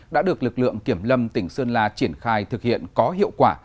đã được lực lượng kiểm lâm tỉnh sơn la triển khai thực hiện có hiệu quả